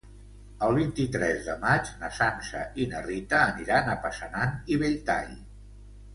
El vint-i-tres de maig na Sança i na Rita aniran a Passanant i Belltall.